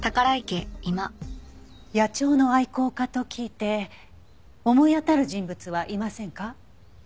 野鳥の愛好家と聞いて思い当たる人物はいませんか？